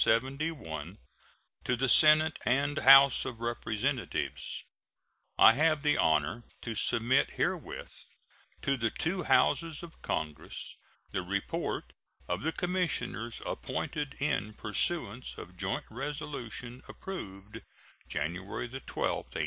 To the Senate and House of Representatives: I have the honor to submit herewith to the two Houses of Congress the report of the commissioners appointed in pursuance of joint resolution approved January 12, 1871.